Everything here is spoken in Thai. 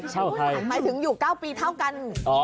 หมายถึงอยู่๙ปีเท่ากัน